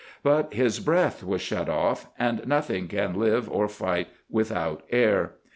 But his breath was shut off, and nothing can live or fight without air.